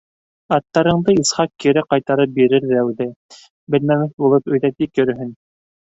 Аттарыңды Исхаҡ кире ҡайтарып бирер ҙә үҙе, белмәмеш булып, өйҙө тик йөрөһөн.